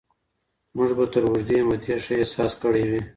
موږ به تر اوږدې مودې ښه احساس کړی وي.